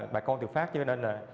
bà con từ phát cho nên là